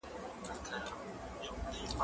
زه به سبا کتابونه لوستم وم؟